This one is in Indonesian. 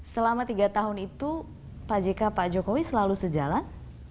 selama tiga tahun itu pak jk pak jokowi selalu sejalan